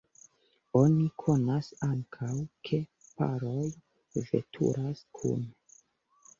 Oni konas ankaŭ, ke paroj veturas kune.